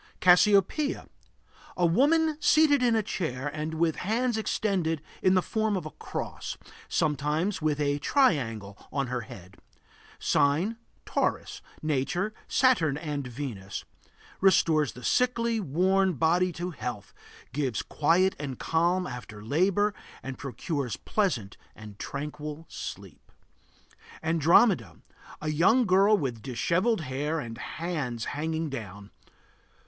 CASSIOPEIA. A woman seated in a chair and with hands extended in the form of a cross; sometimes with a triangle on her head. Sign: Taurus. Nature: Saturn and Venus. Restores the sickly, worn body to health, gives quiet and calm after labor and procures pleasant and tranquil sleep. ANDROMEDA. A young girl with dishevelled hair, and hands hanging down.